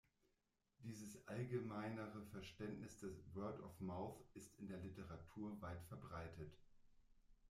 Dieses allgemeinere Verständnis des Word-of-Mouth ist in der Literatur weit verbreitet.